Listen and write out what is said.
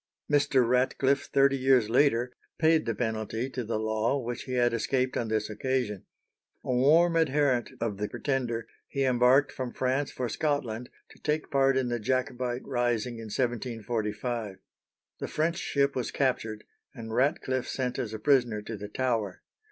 Mr. Ratcliffe, thirty years later, paid the penalty to the law which he had escaped on this occasion. A warm adherent of the Pretender, he embarked from France for Scotland to take part in the Jacobite rising in 1745. The French ship was captured, and Ratcliffe sent as a prisoner to the Tower.